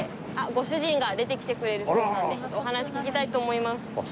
ご主人が出てきてくれるそうなんでちょっとお話聞きたいと思います。